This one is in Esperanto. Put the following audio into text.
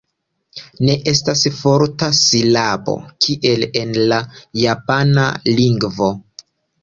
Ne estas forta silabo, kiel en la japana lingvo.